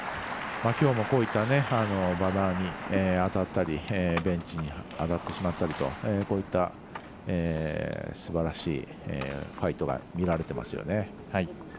きょうもこういったバナーに当たったりベンチに当たってしまったりとすばらしいファイトが見られてますよね。